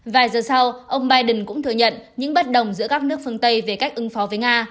vài giờ sau ông biden cũng thừa nhận những bất đồng giữa các nước phương tây về cách ứng phó với nga